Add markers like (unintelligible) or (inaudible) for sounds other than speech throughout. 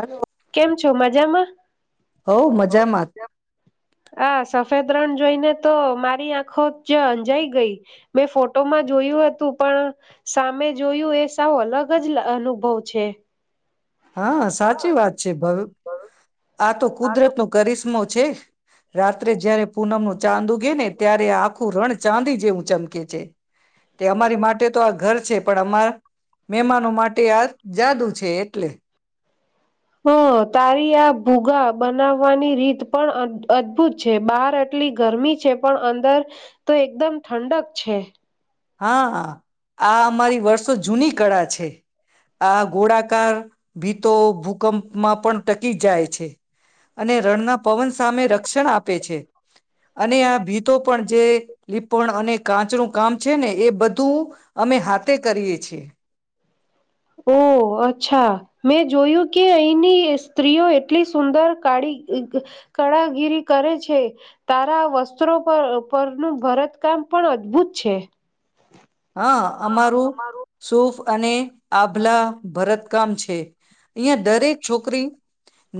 Hello કેમ છો મજામાં હવ મજામાં હા સા (unintelligible) ત્રણ જોઈને તો મારી આંખો જ અંજાઈ ગઈ મેં ફોટોમાં જોયું હતું, પણ સામે જોયું એ સાવ અલગ જ લા અનુભવ છે. હા સાચી વાત છે, (unintelligible) આ તો કુદરત નો કરિશ્મો છે. રાત્રે જયારે પૂનમ નો ચાંદ ઉગેને ત્યારે આખું રણ ચાંદી જેવું ચમકે છે. તે અમારી માટે તો આ ઘર છે, પણ અમારા મહેમાનો માટે આ જાદુ છે, એટલે. હ તારી આ ભૂગા બનાવવાની રીત પણ અદભુત છે, બહાર એટલી ગરમી છે પણ અંદર તો એકદમ ઠંડક છે. હા આ અમારી વર્ષો જૂની કળા છે. આ ઘોડાકાર ભી તો ભૂકંપ માં પણ ટકી જાય છે, અને રણના પવન સામે રક્ષણ આપે છે. અને આ ભીતો પણ જે લીપણ અને કાચનું કામ છે ને એ બધું અમે હાથે કરીએ છીએ ઓ અચ્છા મેં જોયું કે અહીની સ્ત્રીઓ એટલી સુંદર કાળી કળાગીરી કરે છે તારા વસ્ત્રો પર પરનું ભરતકામ પણ અદભુત છે. હા અમારું સુફ અને આભલા ભરતકામ છે. અહીં દરેક છોકરી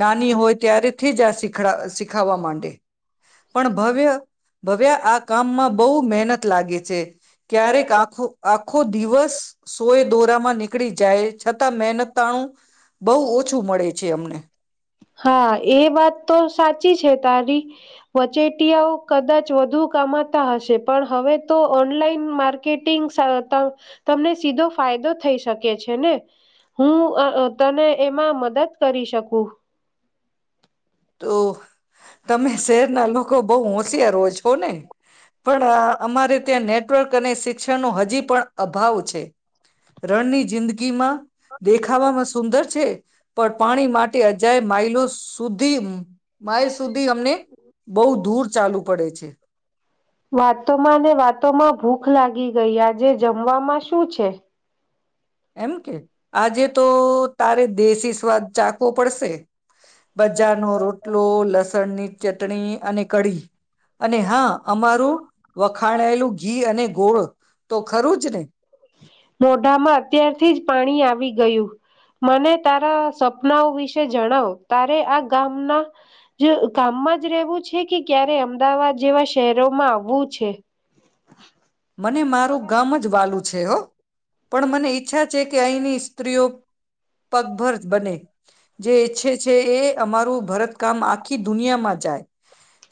નાની હોય ત્યારેથી જ આખ શીખડાવા શીખાવા માંડે પણ ભવ્ય ભવ્ય આ કામમાં બહુ મહેનત લાગે છે. આખો આખો દિવસ સોય દોરામાં નીકળી જાય છતાં મહેનતતાણું બહુ ઓછું મળે છે અમને હા એ વાત તો સાચી છે, તારી વચેટીયાઓ કદાચ વધુ કમાતા હશે પણ હવે તો ઓનલાઈન માર્કેટિંગ સા તમને સીધો ફાયદો થઈ શકે છે ને હું અ તને એમાં મદદ કરી શકું. તો તમે શેહરના લોકો બહુ હો (unintelligible) છો ને પણ અમારે ત્યાં નેટવર્ક અને શિક્ષણનો હજી પણ અભાવ છે. રણની જિંદગીમાં દેખાવામાં સુંદર છે પણ પાણી માટે અજાય માઇલો શુ ધી માઇલ સુધી અમને બહુ દૂર ચાલવું પડે છે. વાતોમાં ને વાતોમાં ભૂખ લાગી ગઈ આજે જમવામાં શું છે? એમ કે આજે તો તારે દેશી સ્વાદ ચાખવો પડશે બજારનો રોટલો, લસણની ચટણી અને કઢી અને હા અમારું વખાણાયેલું ઘી અને ગોળ તો ખરું જ ને! મોઢામાં અત્યારથી જ પાણી આવી ગયું મને તારા સપનાઓ વિશે જણાવ તારે આ ગામના જ ગામમાં જ રહેવું છે કે ક્યારે અમદાવાદ જેવા શહેરોમાં આવવું છે? મને મારું ગામ જ વાહલું છે હો. પણ મને ઈચ્છા છે અહીંની સ્ત્રીઓ પગભર બને જે ઈચ્છે છે એ અમારું ભરતકામ આ ખી દુનિયામાં જાય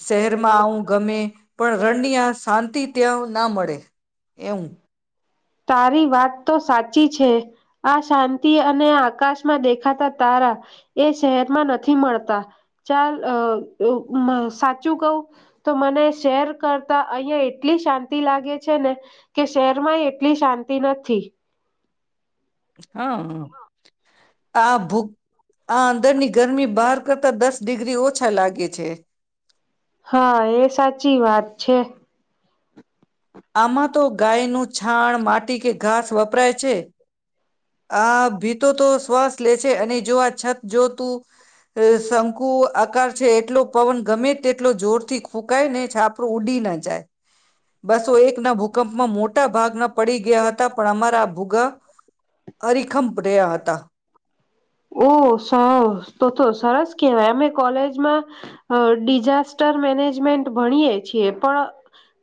શહેરમાં આવું ગમે પણ રણની આ શાંતિ ત્યાં ના મળે. (inaudible) એવું. તારી વાત તો સાચી છે આ શાંતિ અને આકાશમાં દેખાતા તારા એ શહેરમાં નથી મળતા ચાલ અ મ અ સાચું કહું તો મને શહેર કરતા અહિયાં એટલી શાંતિ લાગે છે ને કે શહેરમાં એટલી શાંતિ નથી. હ. આ ભૂ આ અંદરની ગરમી બહાર કરતા દસ ડિ ગ્રી ઓછા લાગે છે. હા એ સાચી વાત છે. તી કે ઘાસ વપરાય છે આ ભીતો તો શ્વાસ લે છે અને જો આ છત જોતું શંકુ આકાર છે એટલો પવન ગમે તેટલો જોરથી ફૂંકાય ને છાપરું ઉડી ના જાય. બસો એક ના ભૂકંપમાં મોટા ભાગના પડી ગયા હતા પણ અમારા આ ભૂગા અડીખંપ રહ્યા હતા. ઓ સર તો તો સરસ કેહવાય એમેય કોલેજ મા ડિઝાસ્ટર મેનેજમેન્ટ ભણીએ છીએ પણ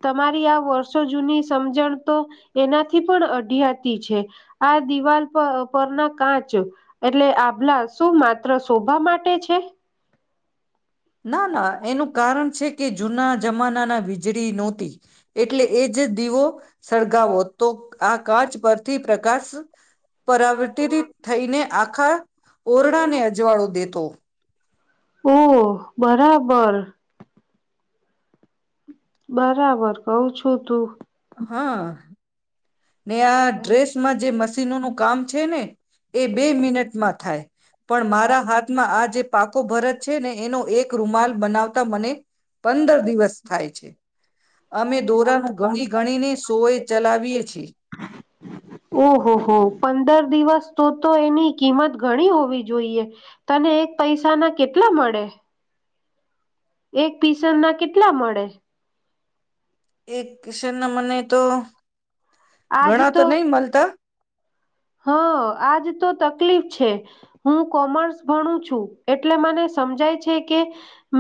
તમારી આ વર્ષો જૂની સમજણ તો એનાથી પણ અઢિયાતી છે આ દિવાલ પર પરના કાચ એટલે આભલા શું માત્ર શોભા માટે છે? ના ના એનું કારણ છે કે જૂના જમાનાના વીજળી નહોતી. એટલે એ જ દીવો સળગાવો તો આ કાચ પરથી પ્રકાશ પરાવર્તિત થઈને આખા ઓરડાને અજવાળો દેતો. ઓહ! બરાબર. બરાબર કઉ છું તું. હા ને આ ડ્રેસમાં જે મશીનોનું કામ છે ને એ બે મિનટમાં થાય પણ મારા હાથમાં આ જે પાકો ભરત છે ને એનો એક રૂમાલ બનાવતા મને પંદર દિવસ થાય છે અમે દોરાના ઘણી ગણીને શો એ ચલાવીએ છીએ ઓહોહો પંદર દિવસ તો તો એની કિંમત ઘણી હોવી જોઈએ તને એક પૈસા ના કેટલા મળે. એક પીઝનના કેટલા મળે. એક કિશન ના મને તો. આજ ઘણા તો નહી મળતા હા આજ તો તકલીફ. હું કોમર્સ ભણું છું એટલે મને સમજાય છે કે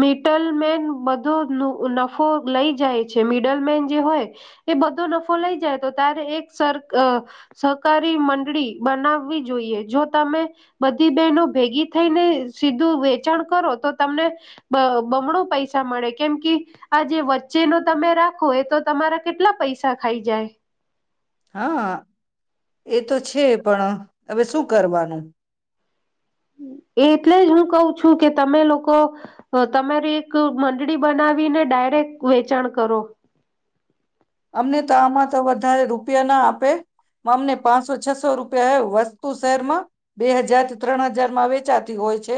મિટલ મેન બધો નફો લઈ જાય છે મિડલ મેન જે હોય એ બધો નફો લઈ જાય. તો તારે એક સર સહકારી મંડળી બનાવવી જોઈએ જો તમે બધી બહેનો ભેગી થઈને સીધું વેચાણ કરો તો તમને બમણો પૈસા મળે કેમ કે આ જે વચ્ચેનો તમે રાખો એ તો તમારા કેટલા પૈસા ખાઈ જાય. હા એ તો છે પણ હવે શું કરવાનું. એટલે જ હું કઉ છું કે તમે લોકો તમારી એક મંડળી બનાવીને ડાયરેક્ટ વેચાણ કરો. અમને તો આમાં તો વધારે રો. રૂપિયા ના આપે. અમને પાંચસો છસો રૂપિયા. (inaudible) શહેરમાં બે હજારથી ત્રણ હજાર. માં વેચાતી હોય છે.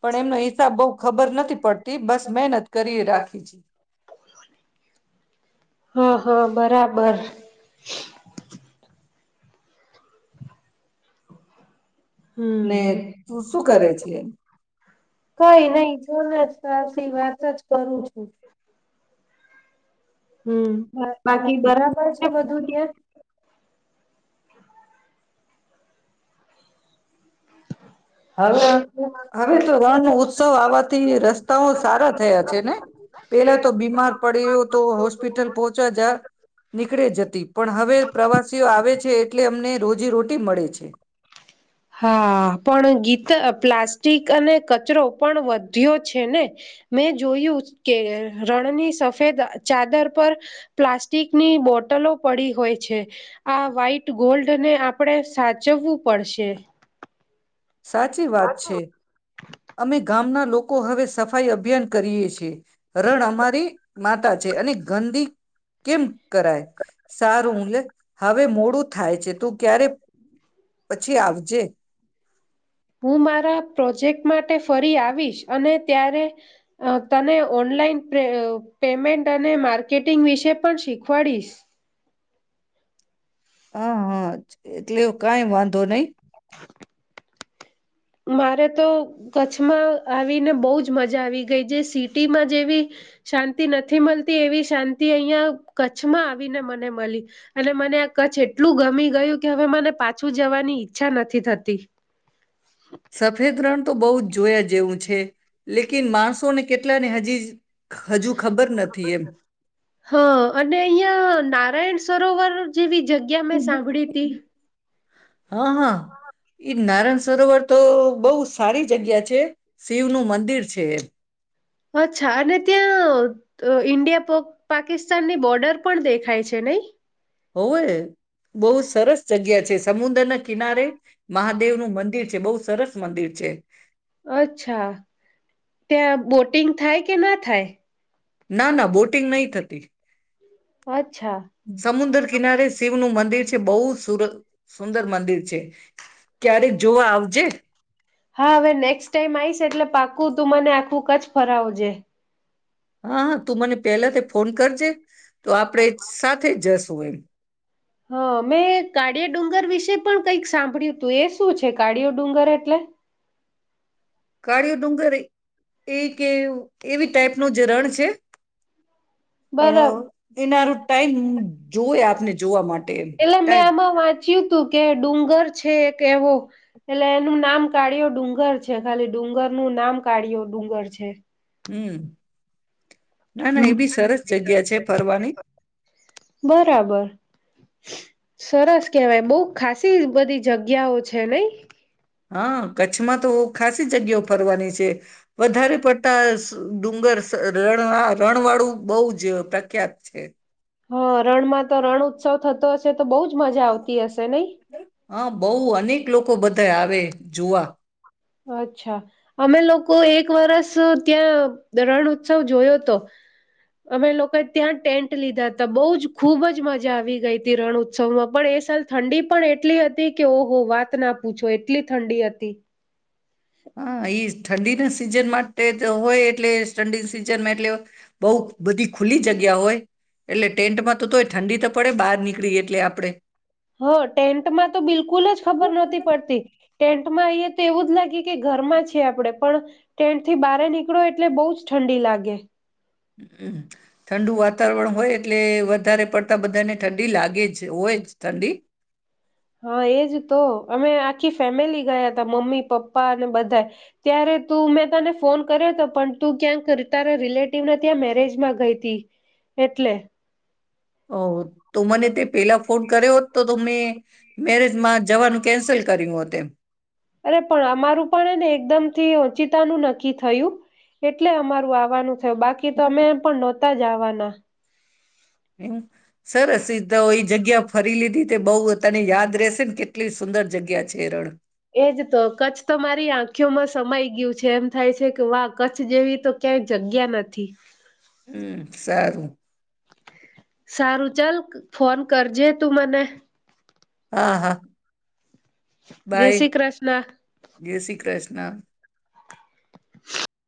પણ એમનો હિસાબ બહુ ખબર નથી પડતી બસ મહેનત કરી રાખી છે. હા હા બરાબર. બર. હ ને તું શું કરે છે એમ કઈ નહી જોને તારી વાત જ કરું છું. હમ બાકી બરાબર છે બધું ત્યાં. હવે હવે તો રણ નો ઉત્સવ આવવાથી રસ્તાઓ સારા થયા છે ને હવે પેલા તો બીમાર પડ્યો તો હોસ્પિટલ પહોચા જ નીકળે જતી પણ હવે પ્રવાસીઓ આવે છે એટલે અમને રોજ. હ રોટી મળે છે. હા પણ ગીત પ્લાસ્ટિક અને કચરો પણ વધ્યો છે ને મેં જોયું કે રણની સફેદ ચાદર પર પ્લાસ્ટિકની બોટલો પડી હોય છે આ વ્હાઈટ ગોલ્ડ ને આપણે સાચવવું પડશે. સાચી વાત છે. અમે ગામના લોકો હવે સફાઈ અભિયાન કરીએ છીએ. ગાય અમારી. માતા છે અને ગંદી કેમ કરાય સારુંલે હવે મોડું થાય છે તું ક્યારે પછી આવજે. હું મારા પ્રોજેક્ટ માટે ફરી આવીશ અને ત્યારે તને ઓનલાઈન પેમેન્ટ અને માર્કેટિંગ વિશે પણ શીખવાડીશ. હ હા એટલે કઈ વાંધો નહીં (unintelligible) મારે તો કચ્છમાં આવીને બહુ જ મજા આવી ગઈ જે સિટીમાં જેવી શાંતિ નથી મળતી એવી શાંતિ અહિયાં કચ્છમાં આવીને મને મળી અને મને આ કચ્છ એટલું ગમી ગયું કે હવે મને પાછું જવાની ઈચ્છા નથી થતી. સફેદ ગ્રહણ તો બહુ જ. જોયા જેવું છે. લેકિન માણસોને કેટલા ને હજ (unintelligible) હા અને અહીંયા નારાયણ સરોવર જેવી જગ્યા મેં સાંભળી તી. હા હા. ઈ નારાયણ સરોવર તો બઉ સારી જગ્યા છે. શિવનું મંદિર છે એ. અચ્છા અને ત્યાં ઈન્ડિયા પ પાકિસ્તાનની બોર્ડર પણ દેખાય છે નઈ? હોવે, બહુ સરસ જગ્યા છે સમુદ્ર ના કિનારે મહાદેવ નું મંદિર છે બવ સરસ મંદિર છે. અચ્છા ત્યાં બોટિંગ થાય કે ના થાય? ના ના બોટિંગ નહી થતી. (unintelligible) સમુદ્ર કિનારે શિવનું મંદિર છે. બહુર સુંદર મંદિર છે. ક્યારેક જોવા આવજે. હા હવે નેક્સ્ટ ટાઈમ આવીશ એટલે પાકું તું મને આખું કચછ ફરાવજે. હા હા તું મને પહેલા તે ફોન કરજે. તો આપણેે સાથે જશ શું એમ. હા મેં કાળી ડુંગર વિશે પણ કઈક સાંભળ્યું હતું એ શું છે કાળીયો ડુંગર એટલે? કળીયો ડુંગરે એ કે એવી ટાઈપ નું જ રણ છે. બરાબર પણ એનારો ટાઈમ જોએ આપને જોવા માટે એમ ટાઈમ. ચ્યું તું કે ડુંગર છે એક એવો એટલે એનું નામ કાઢ્યો ડુંગર છે ખાલી ડુંગર નું નામ કાઢ્યો ડુંગર છે. હમ્મ. હમ્મ, છે ફરવાની બરાબર. સરસ કેવાય બવ ખાસી બધી જગ્યાઓ છે નઈ. હા કચ્છમાં તો ખાસી જગ્યા ફરવાની છે. વધારે પડતા અહ ડુંગર સ રણવા રણવાળું બહુજ પ્રખ્યાત છે. હા રણમાં તો રણ ઉત્સવ થતો હશે તો બહુ જ મજા આવતી હશે નહી? હા, બહુ અનેક લોકો બધા આવે જોવા. અચ્છા અમે લોકો એક વરષ ત્યાં રણ ઉત્સવ જોયો હતો અમે લોકો ત્યાં ટેન્ટ લીધા હતા બહુ જ ખુબ જ મજા આવી ગઈ હતી રણ ઉત્સવમાં પણ એ સાલ ઠંડી પણ એટલી હતી કે ઓહો વાત ના પૂછો એટલી ઠંડી હતી. હા એ ઈ ઠંડીના સિઝન માટે હોય એટલે ઠંડી સિઝનમાં એટલે બહુ બધી ખુલ્લી જગ્યા હોય એટલે ટેન્ટમાં તો તોય ઠંડી તો પડે બહાર નીકળી એટલે આપણે. હા, ટેન્ટમાં તો બિલકુલ જ ખબર નતી પડતી. ટેન્ટમાં અહીંયા તો એવું જ લાગે કે ઘરમાં છે આપણેે. પણ ટેન્ટ થી બહાર નીકળો એટલે બહુ જ ઠંડી લાગે. અમ્મ હમ્મ. ઠંડુ વાતાવરણ હોય એટલે વધારે પડતા બધાને ઠંડી લાગે જ હોય જ ઠંડી. હા એજ તો અમે આખી ફેમિલી ગયા તા, મમ્મી પપ્પા અને બધા ત્યારે તું મેં તને ફોન કર્યો હતો પણ તું ક્યાંક તારા રિલેટિવને ત્યાં મેરેજમાં ગઈ તી એટલે. ઓવો તો મને તે પેલા ફોન કર્યોત તો મેં મેરેજમાં જવાનું કેન્સલ કર્યું હો તેમ. અરે પણ અમારું પણ એને એકદમ થી ઓચિતાનું નક્કી થયું એટલે અમારું આવાનું થયું. બાકી તો અમે પણ નત તા જવાના. એમ સરસ સીધા હોઈ જગ ગ્યા ફરી લીધી તે બહ તને યાદ રહેશે ને કેટલી સુંદર જગ્યા છે રણ. એજ તો કચ્છ તો મારી આંખયોમાં સમાઈ ગયું છે એમ થાય છે કે વાહ કચ્છ જેવી તો ક્યાંય જગ્યા નથી. હમ્મ સારું. સારું ચાલ ફોન કરજે તું મને. હા, હા. જય બાય. શ્રી કૃષ્ણ જય શ્રી કૃષ્ણ.